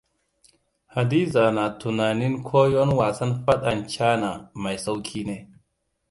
Hadiza na tunanin koyon wasan faɗan cana mai sauki ne.